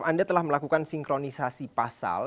anda telah melakukan sinkronisasi pasal